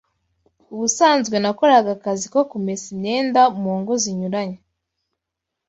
ubusanzwe nakoraga akazi ko kumesa imyenda mu ngo zinyuranye,